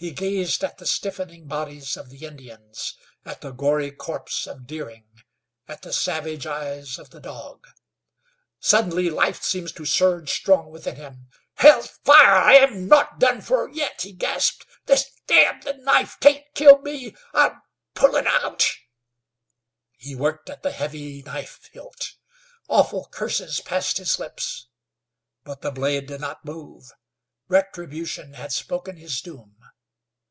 He gazed at the stiffening bodies of the Indians, at the gory corpse of Deering, at the savage eyes of the dog. Suddenly life seemed to surge strong within him. "Hell's fire! I'm not done fer yet," he gasped. "This damned knife can't kill me; I'll pull it out." He worked at the heavy knife hilt. Awful curses passed his lips, but the blade did not move. Retribution had spoken his doom.